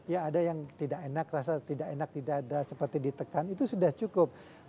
ya ada yang tidak enak rasa tidak enak tidak ada seperti ditekan itu sudah cukup